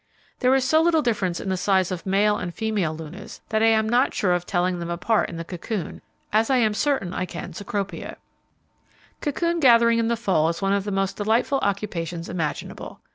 There is so little difference in the size of male and female Lunas, that I am not sure of telling them apart in the cocoon, as I am certain I can Cecropia. Cocoon gathering in the fall is one of the most delightful occupations imaginable.